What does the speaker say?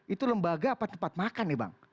itu lembaga apa tempat makan nih bang